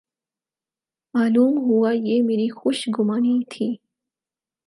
معلوم ہوا یہ میری خوش گمانی تھی۔